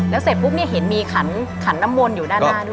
แล้วเสร็จปุ๊บเนี่ยเห็นมีขันน้ำมนต์อยู่ด้านหน้าด้วย